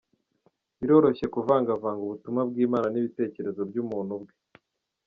Biroroshye kuvangavanga ubutumwa bw’Imana n’ibitekerezo by’umuntu ubwe.